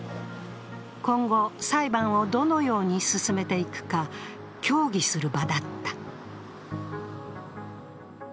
今後、裁判をどのように進めていくか協議する場だった。